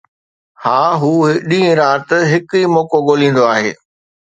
ها، هو ڏينهن رات هڪ ئي موقعو ڳوليندو آهي